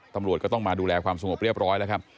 ตำรวจก็ต้องมาดูแลความสงบเรียบร้อยแล้วครับ